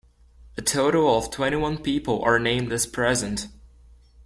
A total of twenty-one people are named as present.